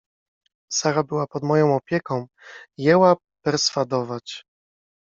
— Sara była pod moją opieką — jęła perswadować.